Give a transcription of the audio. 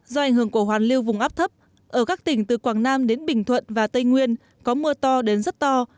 do ảnh hưởng của hoàn lưu vùng áp thấp ở các tỉnh từ quảng nam đến bình thuận và tây nguyên có mưa to đến rất to